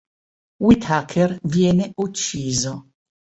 Whitaker viene ucciso.